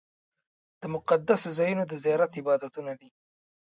د مقدسو ځایونو د زیارت عبادتونه دي.